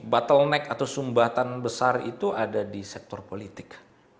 bottleneck atau sumbatan besar itu ada di sektor politik